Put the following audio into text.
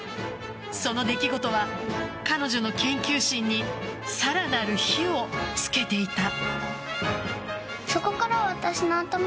その出来事は、彼女の研究心にさらなる火をつけていた。